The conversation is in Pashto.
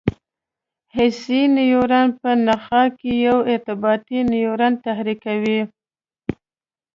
حسي نیورون په نخاع کې یو ارتباطي نیورون تحریکوي.